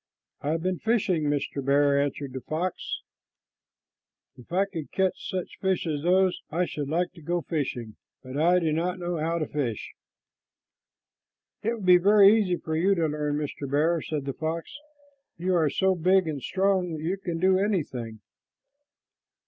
"I have been fishing, Mr. Bear," answered the fox. "If I could catch such fish as those, I should like to go fishing, but I do not know how to fish." "It would be very easy for you to learn, Mr. Bear," said the fox. "You are so big and strong that you can do anything."